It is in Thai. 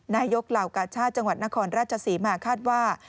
เหล่ากาชาติจังหวัดนครราชศรีมาคาดว่า